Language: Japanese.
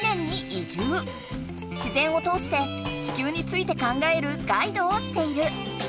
自然を通して地球について考えるガイドをしている。